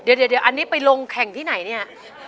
เดี๋ยวอันนี้ไปลงแข่งที่ไหนเนี่ย